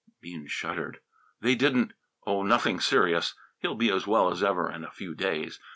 Bean shuddered. "They didn't " "Oh, nothing serious. He'll be as well as ever in a few days.